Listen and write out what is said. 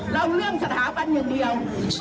แล้วเรื่องสถาบันอย่างเดียว